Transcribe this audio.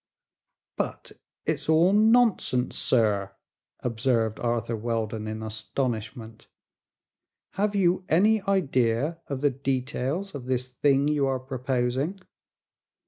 "But it's all nonsense, sir," observed Arthur Weldon, in astonishment. "Have you any idea of the details of this thing you are proposing?"